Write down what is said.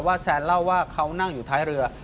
แซนเล่าว่าเขานั่งอยู่ท้ายเรือ